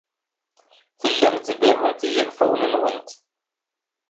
Tellamt tberrumt i yiɣfawen-nwent.